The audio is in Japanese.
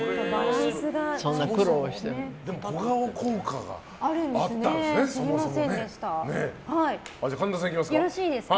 小顔効果があったんですね。